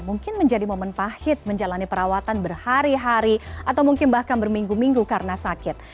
mungkin menjadi momen pahit menjalani perawatan berhari hari atau mungkin bahkan berminggu minggu karena sakit